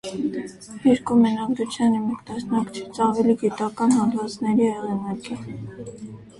Երկու մենագրության և մեկ տասնյակիցից ավելի գիտական հոդվածների հեղինակ է։